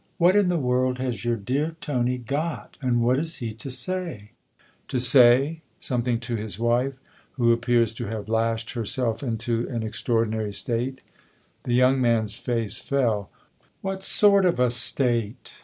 " What in the world has your dear Tony ' got/ and what is he to say ?"" To say ? Something to his wife, who appears to have lashed herself into an extraordinary state." The young man's face fell. "What sort of a state?"